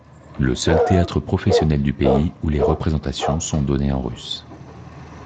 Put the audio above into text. Le seul théâtre professionnel du pays où les représentations sont données en russe.